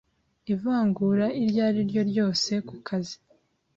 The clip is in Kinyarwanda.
Ivangura iryo ari ryo ryose ku kazi;